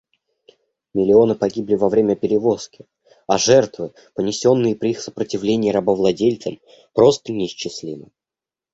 Миллионы погибли во время перевозки, а жертвы, понесенные при их сопротивлении рабовладельцам, просто неисчислимы.